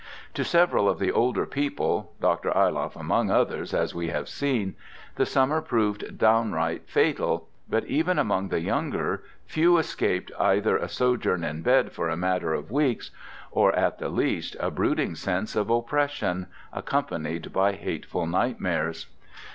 To several of the older people Dr. Ayloff, among others, as we have seen the summer proved downright fatal, but even among the younger, few escaped either a sojourn in bed for a matter of weeks, or at the least, a brooding sense of oppression, accompanied by hateful nightmares.